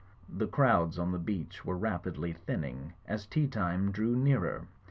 The crowds on the beach were rapidly thinning as tea time drew nearer.